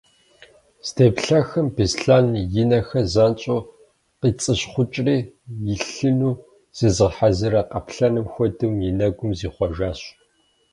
Здеплъыхым Беслъэн и нэхэр занщӏэу къицӏыщхъукӏри, илъыну зызыгъэхьэзыра къаплъэным хуэдэу, и нэгум зихъуэжащ.